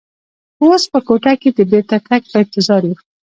اوس په کوټه کې د بېرته تګ په انتظار یو.